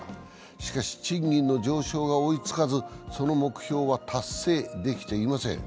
しかし、賃金の上昇が追いつかずその目標は達成できていません。